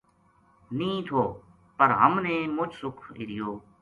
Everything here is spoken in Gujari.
نیہہ تھو پر ہم نے مُچ سُکھ ہیریو